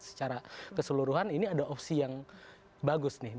secara keseluruhan ini ada opsi yang bagus nih